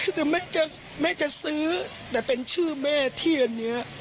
คือแม่จะซื้อแต่เป็นชื่อแม่ที่อันนี้